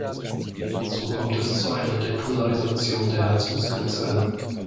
So kommt es zu einer Depolarisation der Herzmuskelzellen.